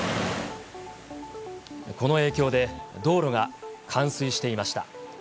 この影響で、道路が冠水していました。